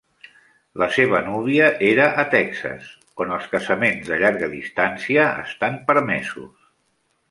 La seva núvia era a Texas, on els casaments de llarga distància estan permesos.